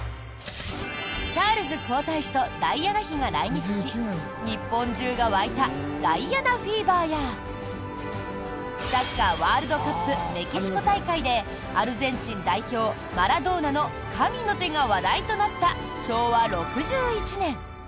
チャールズ皇太子とダイアナ妃が来日し日本中が沸いたダイアナフィーバーやサッカーワールドカップメキシコ大会でアルゼンチン代表、マラドーナの神の手が話題となった昭和６１年。